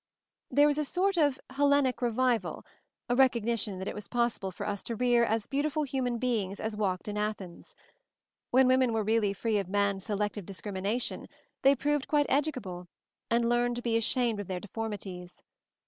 There was a sort of Hellenic revival — a recognition that it was possible for us to rear as beautiful human beings as walked in Athens. When women were really free of \ man's selective discrimination they proved i quite educable, and learned to be ashamed of their deformities.